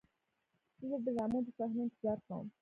زه د ډرامو د صحنو انتظار کوم.